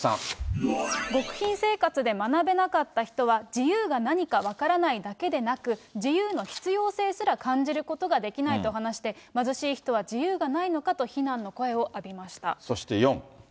極貧生活で学べなかった人は、自由が何か分からないだけでなく、自由の必要性すら感じることができないと話して、貧しい人は自由がないのかと非難の声を浴びました。